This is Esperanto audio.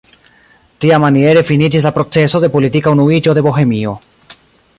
Tiamaniere finiĝis la proceso de politika unuiĝo de Bohemio.